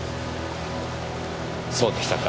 そうでしたか。